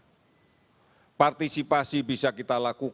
oleh karena itu mari berpartisipasi lebih banyak dan lebih serius lagi